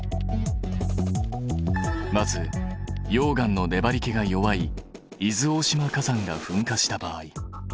まず溶岩のねばりけが弱い伊豆大島火山が噴火した場合。